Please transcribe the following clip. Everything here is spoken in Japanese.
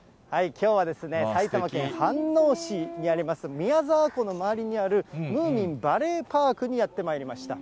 きょうは埼玉県飯能市にあります、宮沢湖の周りにあるムーミンバレーパークにやってまいりました。